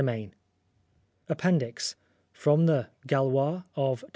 257 17 APPENDIX [From the Gaulois of Dec.